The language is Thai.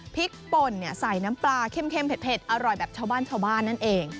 พริกป่นใส่น้ำปลาเข้มเผ็ดอร่อยแบบชาวบ้านนั่นเอง